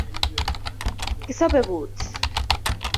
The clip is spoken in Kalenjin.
Kisobe’ kuut